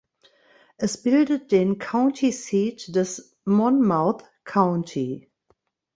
Es bildet den County Seat des Monmouth County.